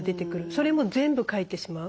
それも全部書いてしまう。